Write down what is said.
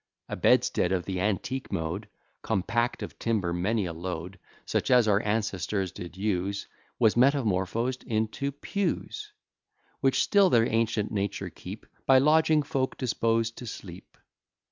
A bedstead of the antique mode, Compact of timber many a load, Such as our ancestors did use, Was metamorphos'd into pews; Which still their ancient nature keep By lodging folk disposed to sleep.